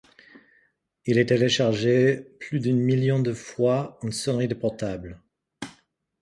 Il est téléchargé plus d'un million de fois en sonnerie de portable.